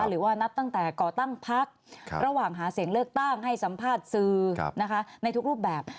หรือว่านับตั้งแต่ก่อตั้งพักระหว่างหาเสียงเลือกตั้งให้สัมภาษณ์สื่อในทุกรูปแบบ